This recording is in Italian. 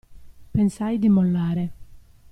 Pensai di mollare.